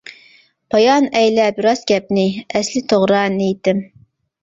بايان ئەيلەپ راست گەپنى، ئەسلى توغرا نىيىتىم.